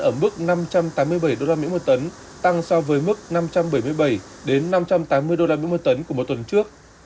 ở mức năm trăm tám mươi bảy usd một tấn tăng so với mức năm trăm bảy mươi bảy năm trăm tám mươi usd một tấn của một tuần trước